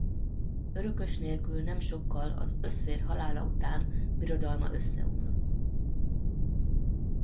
Örökös nélkül nem sokkal az Öszvér halála után birodalma összeomlott.